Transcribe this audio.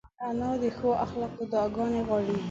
انا د ښو خلکو دعاګانې غواړي